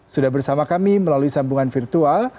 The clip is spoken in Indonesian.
sudah bersama kami melalui sambungan virtual